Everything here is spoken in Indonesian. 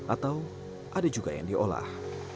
atau ada juga yang diolah